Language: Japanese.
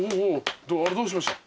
どうしました？